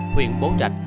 huyện bố trạch